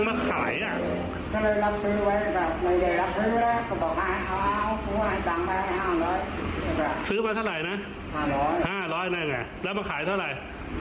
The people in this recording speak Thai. ๕๐๐บาทซื้อมาเท่าไหร่นะ๕๐๐บาท๕๐๐บาทแล้วมาขายเท่าไหร่